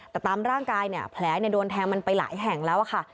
แต่ตามร่างกายเนี่ยแผลโดนแทงมันไปหลายแห่งแล้วค่ะ